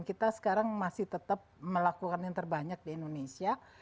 kita sekarang masih tetap melakukan yang terbanyak di indonesia